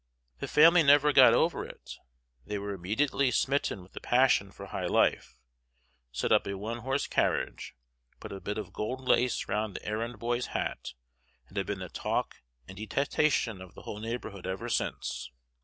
The family never got over it; they were immediately smitten with a passion for high life; set up a one horse carriage, put a bit of gold lace round the errand boy's hat, and have been the talk and detestation of the whole neighborhood ever since.